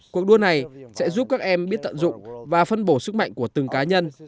cuộc đua này sẽ giúp các em biết tận dụng và phân bổ sức mạnh của từng cá nhân